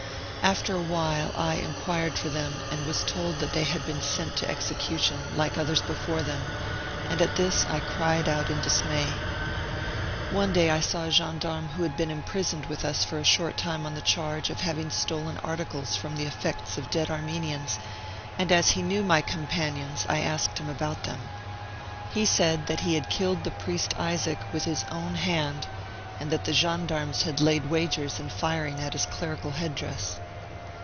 After a while I enquired for them and was told that they had been sent to execution, like others before them, and at this I cried out in dismay. One day I saw a gendarme who had been imprisoned with us for a short time on the charge of having stolen articles from the effects of dead Armenians, and as he knew my companions I asked him about them. He said that he had killed the priest Isaac with his own hand, and that the gen darmes had laid wagers in firing at his clerical head dress.